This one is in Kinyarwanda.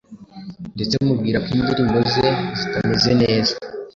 ndetse mubwira ko indirimbo ze zitameze neza,